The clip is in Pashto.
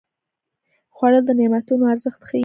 خوړل د نعمتونو ارزښت ښيي